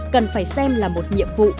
cần phải xem là một nhiệm vụ